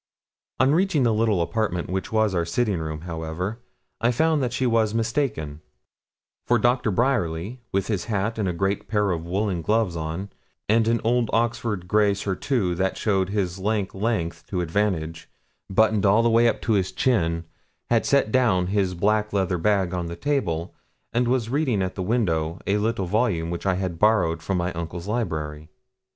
On reaching the little apartment which was our sitting room, however, I found that she was mistaken; for Doctor Bryerly, with his hat and a great pair of woollen gloves on, and an old Oxford grey surtout that showed his lank length to advantage, buttoned all the way up to his chin, had set down his black leather bag on the table, and was reading at the window a little volume which I had borrowed from my uncle's library.